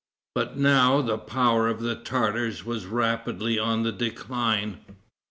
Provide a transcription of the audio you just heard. But now the power of the Tartars was rapidly on the decline.